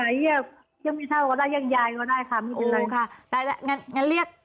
เรียกแม่เท่าก็ได้เรียกยายก็ได้ค่ะไม่เป็นไร